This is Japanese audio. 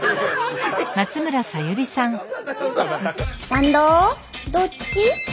「サンドどっち」！